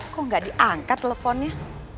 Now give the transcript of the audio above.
kok gak diangkat teleponnya